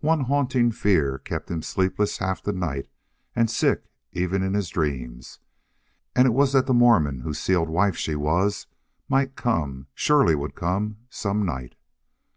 One haunting fear kept him sleepless half the nights and sick even in his dreams, and it was that the Mormon whose sealed wife she was might come, surely would come, some night.